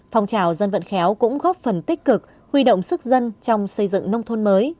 phòng trào dân vận khéo cũng góp phần tích cực huy động sức dân trong xây dựng nông thôn mới